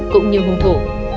cũng như hùng thủ